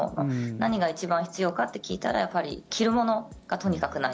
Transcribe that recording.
何が一番必要かって聞いたらやはり着るものがとにかくない。